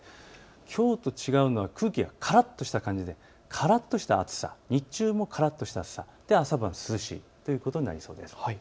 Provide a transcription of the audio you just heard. きょうと違うのは空気がからっとした感じで、からっとした暑さ、日中もからっとした暑さ、そして朝晩涼しいということになりそうです。